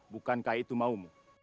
bukankah itu maumu